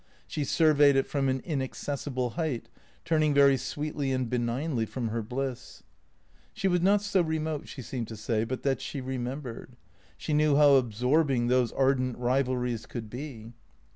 She surveyed it from an inaccessible height, turning very sweetly and benignly from her bliss. She was not so re mote, she seemed to say, but that she remembered. She knew how absorbing those ardent rivalries could be.